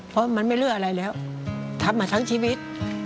เพราะมันไม่เหลืออะไรแล้วทำมาทั้งชีวิต